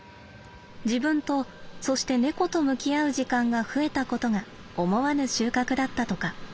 自分とそして猫と向き合う時間が増えたことが思わぬ収穫だったとか。